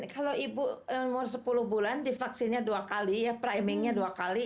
kalau ibu umur sepuluh bulan divaksinnya dua kali ya primingnya dua kali